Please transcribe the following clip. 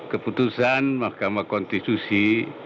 keputusan mahkamah konstitusi